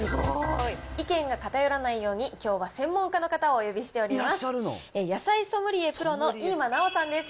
意見が偏らないようにきょうは専門家の方をお呼びしております。